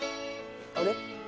あれ？